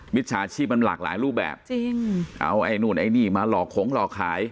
จฉาชีพมันหลากหลายรูปแบบจริงเอาไอ้นู่นไอ้นี่มาหลอกของหลอกขาย